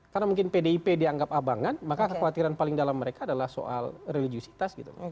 karena mungkin pdip dianggap abangan maka kekhawatiran paling dalam mereka adalah soal religiositas gitu